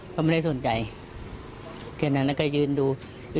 เพราะไม่ได้สนใจเดี๋ยวหนักนั้นก็ยืนดู